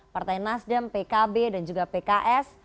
partai nasdem pkb dan juga pks